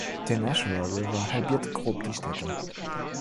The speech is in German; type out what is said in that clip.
Der Nashua River halbiert grob die Städte.